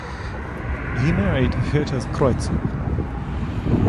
He married Herta Kreuzer.